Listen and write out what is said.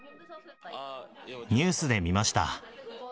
ニュースで見ました。